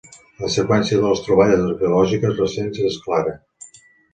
La seqüència de les troballes arqueològiques recents és clara.